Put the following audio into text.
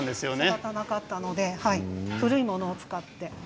育たなかったので古いものを使って。